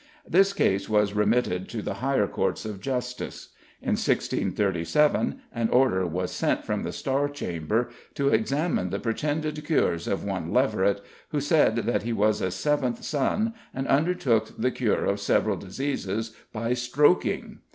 This case was remitted to the higher courts of justice. In 1637 an order was sent from the Star Chamber "to examine the pretended cures of one Leverett, who said that he was a seventh son, and undertook the cure of several diseases by stroaking."